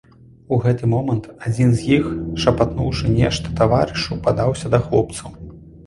У гэты момант адзін з іх, шапатнуўшы нешта таварышу, падаўся да хлопцаў.